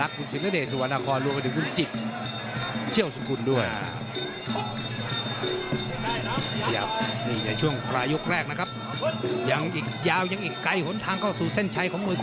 พี่ชิชชัย